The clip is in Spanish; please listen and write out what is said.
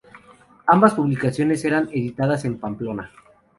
Ambas publicaciones eran editadas en Pamplona.